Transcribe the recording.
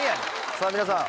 さぁ皆さん